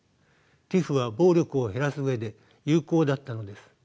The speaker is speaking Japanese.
ＴＩＰＨは暴力を減らす上で有効だったのです。